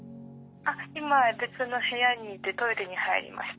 あっ今は別の部屋にいてトイレに入りました。